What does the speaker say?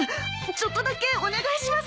ちょっとだけお願いします。